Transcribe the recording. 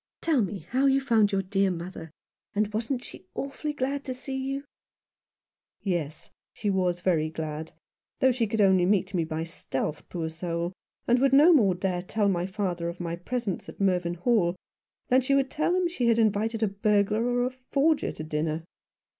Tell me how you found your dear mother — and wasn't she awfully glad to see you ?"" Yes, she was very glad ; though she could only meet me by stealth, poor soul, and would no more dare tell my father of my presence at Mervynhall than she would tell him she had invited a burglar or a forger to dinner.